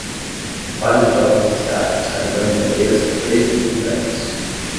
vários jovens asiáticos carregando bandeiras preto e brancas